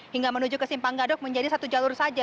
hingga menuju ke simpang gadok menjadi satu jalur saja